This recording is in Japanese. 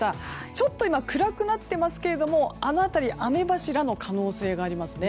ちょっと今暗くなっていますけれどもあの辺りは雨柱の可能性がありますね。